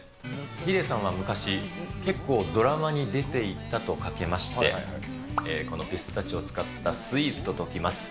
ヒデさんは昔、結構、ドラマに出ていたとかけまして、このピスタチオを使ったスイーツと解きます。